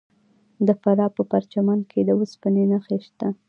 د فراه په پرچمن کې د وسپنې نښې شته.